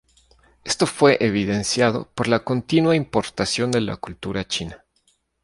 Esto fue evidenciado por la continua importación de la cultura china.